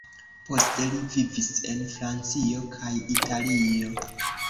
Poste li vivis en Francio kaj Italio.